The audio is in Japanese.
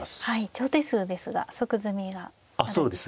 長手数ですが即詰みがあるんですね。